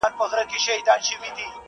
ما در کړي د اوربشو انعامونه٫